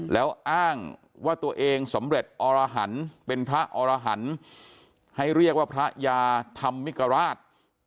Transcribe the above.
แล้วอ้างว่าตัวเองสำเร็จอรหันต์เป็นพระอรหันต์ให้เรียกว่าพระยาธรรมมิกราช